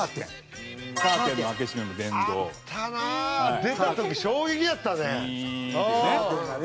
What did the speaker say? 出た時衝撃やったね。